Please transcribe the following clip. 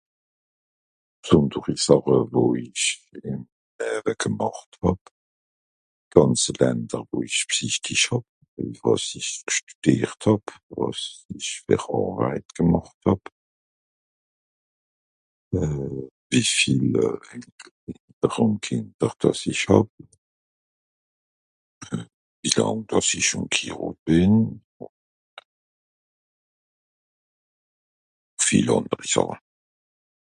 Bsùnderi sàche wo ich (...) gemàcht hàb. Gànze länder, wo ich bsichtischt hàb, wàs ich gstüdìert hàb, wàs ich fer Àrweit gemàcht hàb. Wie viel Kìnder, wàs ich hàb, (...) ghiirot bìn. viel ànderi sàche.